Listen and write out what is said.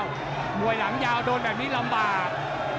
มวยหลังยาวโดนแบบนี้ลำบาก